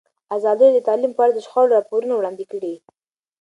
ازادي راډیو د تعلیم په اړه د شخړو راپورونه وړاندې کړي.